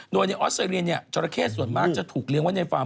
โดยในออสเตรเลียจราเข้ส่วนมากจะถูกเลี้ยงไว้ในฟาร์